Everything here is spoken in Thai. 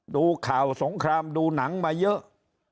ดูข่าวสงครามดูหนังมาเยอะ